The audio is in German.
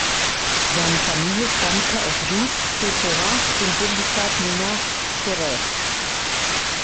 Seine Familie stammte aus Juiz de Fora im Bundesstaat Minas Gerais.